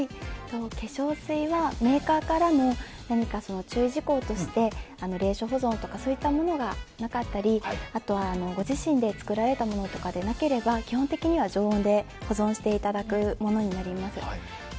化粧水はメーカーからの注意事項として冷所保存とかそういったものがなかったりあとは、ご自身で作られたものとかでなければ基本的には常温で保存していただくものになります。